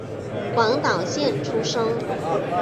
广岛县出身。